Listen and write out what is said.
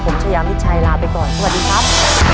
ผมชายามิชัยลาไปก่อนสวัสดีครับ